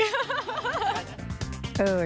เยี่ยม